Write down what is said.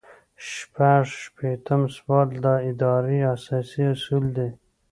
شپږ شپیتم سوال د ادارې اساسي اصول دي.